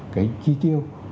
cái chi tiêu